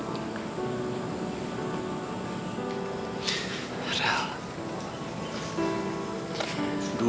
aku tahu kamu masih sayang sama aku